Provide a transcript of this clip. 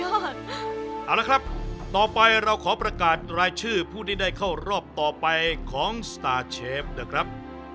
เอาละครับต่อไปเราขอประกาศรายชื่อผู้ที่ได้เข้ารอบต่อไปของสตาร์เชฟนะครับ